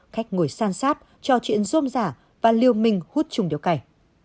khách ngồi san sát trò chuyện rôm rả và lưu mình hút chung đéo cày